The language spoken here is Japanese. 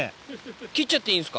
切っちゃっていいんすか？